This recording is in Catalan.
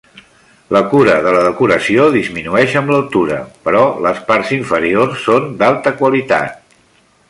La cura de la decoració disminueix amb l'altura, però les parts inferiors són d'alta qualitat.